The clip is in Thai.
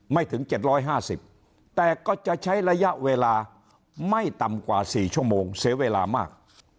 ไม่ถึงเจ็ดร้อยห้าสิบแต่ก็จะใช้ระยะเวลาไม่ต่ำกว่าสี่ชั่วโมงเสียเวลามาก